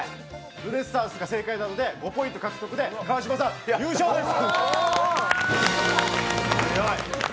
ルネッサーンスが正解なので５ポイント獲得で川島さん優勝です！